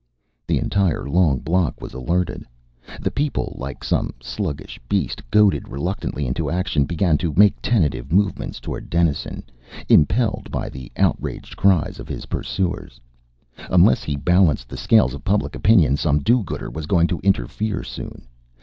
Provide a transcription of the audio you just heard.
The entire long block was alerted. The people, like some sluggish beast goaded reluctantly into action, began to make tentative movements toward Dennison, impelled by the outraged cries of his pursuers. Unless he balanced the scales of public opinion, some do gooder was going to interfere soon.